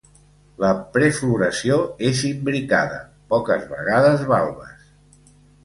La prefloració és imbricada, poques vegades valves.